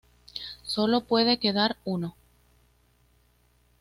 Sólo puede quedar uno